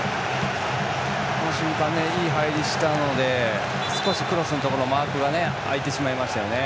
この瞬間、いい入りをしたので少しクロスのところマークが空きましたね。